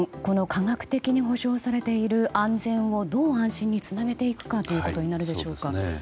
科学的に保障されている安全をどう安心につなげていくかということになるでしょうか。